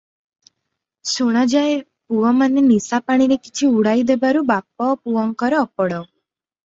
ଶୁଣାଯାଏ, ପୁଅମାନେ ନିଶାପାଣିରେ କିଛି ଉଡ଼ାଇ ଦେବାରୁ ବାପ ପୁଅଙ୍କର ଅପଡ଼ ।